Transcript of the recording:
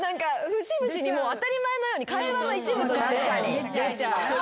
節々に当たり前のように会話の一部として。